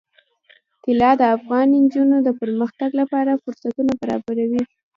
طلا د افغان نجونو د پرمختګ لپاره فرصتونه برابروي.